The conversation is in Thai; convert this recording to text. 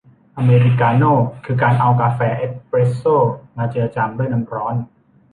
อเมริกาโน่ คือการเอากาแฟเอสเพรสโซ่มาเจือจางด้วยน้ำร้อน